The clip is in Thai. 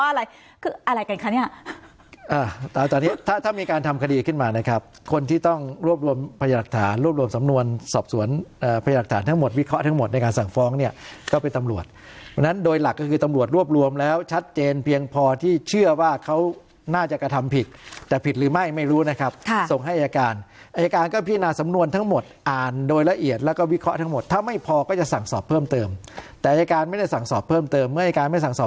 อ่าตอนนี้ถ้าถ้ามีการทำคดีขึ้นมานะครับคนที่ต้องรวบรวมพยาดักฐานรวบรวมสำนวนสอบสวนอ่าพยาดักฐานทั้งหมดวิเคราะห์ทั้งหมดในการสั่งฟ้องเนี้ยก็เป็นตำรวจเพราะฉะนั้นโดยหลักก็คือตำรวจรวบรวมแล้วชัดเจนเพียงพอที่เชื่อว่าเขาน่าจะกระทำผิดแต่ผิดหรือไม่ไม่รู้นะครับค่ะส